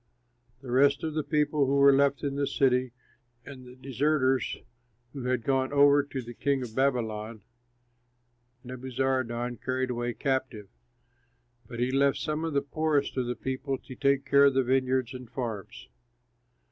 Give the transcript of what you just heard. The rest of the people who were left in the city and the deserters who had gone over to the king of Babylon, Nebuzaradan carried away captive. But he left some of the poorest of the people to take care of the vineyards and farms.